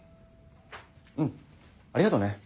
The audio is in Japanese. うんありがとね。